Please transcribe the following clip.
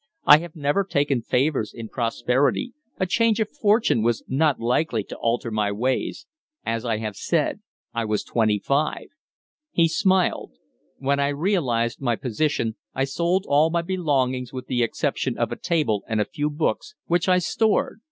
I had never taken favors in prosperity; a change of fortune was not likely to alter my ways. As I have said, I was twenty five." He smiled. "When I realized my position I sold all my belongings with the exception of a table and a few books which I stored.